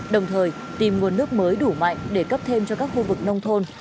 đồng thời tìm nguồn nước mới đủ mạnh để cấp thêm cho các khu vực nông thôn